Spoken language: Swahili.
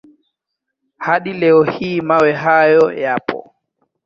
Hadi leo hii mawe hayo yapo.